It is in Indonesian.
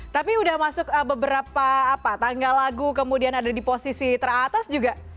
tapi sudah masuk beberapa tanggal lagu kemudian ada di posisi teratas juga